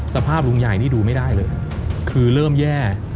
สภาพลุงใหญ่นี่ดูไม่ได้เลยคือเริ่มแย่